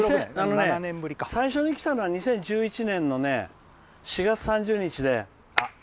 最初に来たのは２０１１年の４月３０日で。